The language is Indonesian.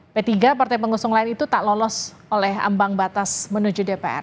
p tiga partai pengusung lain itu tak lolos oleh ambang batas menuju dpr